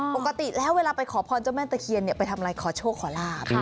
ปกติแล้วเวลาไปขอพรเจ้าแม่ตะเคียนไปทำอะไรขอโชคขอลาบ